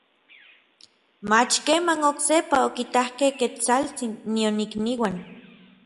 mach keman oksepa okitakej Ketsaltsin nion ikniuan.